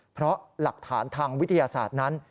เพราะหลักฐานทางวิทยาศาสตร์นั้น